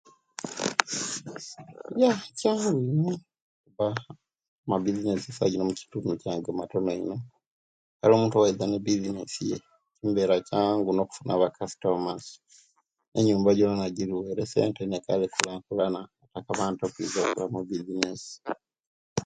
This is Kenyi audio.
Yeah kyangu ino okuba amabisines esawa jino mukitundu kyange matono ino kale omuntu owaiza na ebisinesi ye chimubeera kyangu okufuna abakasitomas enyumba jona jiriyo era esenta yoga ekali ekulankulana etaka abantu okwiza okukolamu ebisinesi